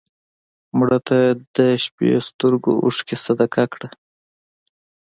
مړه ته د شپه سترګو اوښکې صدقه کړه